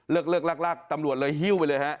เลิกลากตำรวจเลยหิ้วไปเลยฮะ